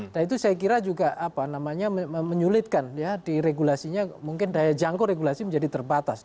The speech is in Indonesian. nah itu saya kira juga apa namanya menyulitkan ya di regulasinya mungkin daya jangkau regulasi menjadi terbatas